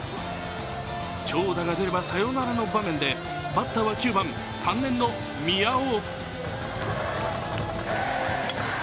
長打が出ればサヨナラの場面でバッターは９番・３年の宮尾！